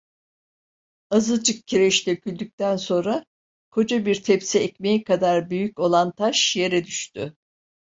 Azıcık kireç döküldükten sonra, koca bir tepsi ekmeği kadar büyük olan taş yere düştü.